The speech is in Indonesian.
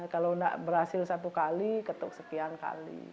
kalau tidak berhasil satu kali ketuk sekian kali